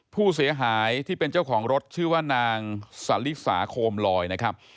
ผู้เสียหายที่เป็นเจ้าของรถชื่อว่านางสลิสาโคมลอยนะครับ